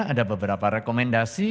ada beberapa rekomendasi